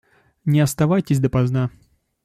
Не оставайтесь допоздна.